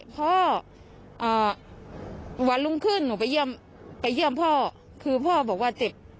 ไปเยี่ยมพ่อคือพ่อบอกว่าเจ็บ